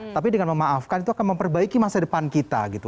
tapi dengan memaafkan itu akan memperbaiki masa depan kita gitu